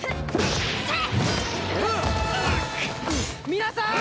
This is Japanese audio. み皆さん！